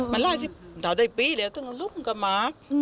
มันร่างที่เท่าไหร่ปีเลยต้องลุ้มกับมา